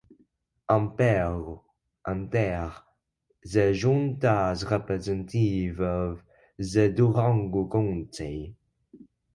Ampuero entered the Junta as representative of the Durango county.